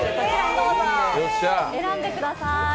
どうぞ選んでください。